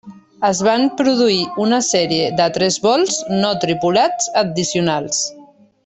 Es van produir una sèrie de tres vols no tripulats addicionals.